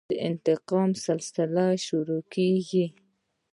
د انتقام سلسله شروع کېږي.